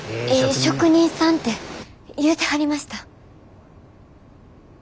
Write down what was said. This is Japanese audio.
職人さんて言うてはりました。